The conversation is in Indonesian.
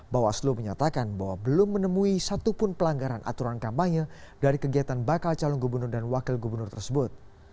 bawaslu menyatakan bahwa belum menemui satupun pelanggaran aturan kampanye dari kegiatan bakal calon gubernur dan wakil gubernur tersebut